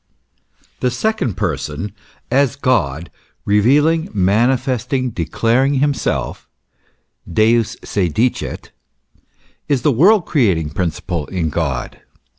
THE second Person, as God revealing, manifesting, declaring himself (Deus se elicit), is the world creating principle in God.